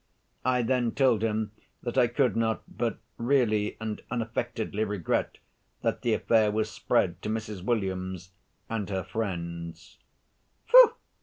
I then told him that I could not but really and unaffectedly regret that the affair was spread to Mrs. Williams and her friends.